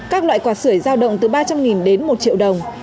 các loại quạt sởi giao động từ ba trăm linh đến một triệu đồng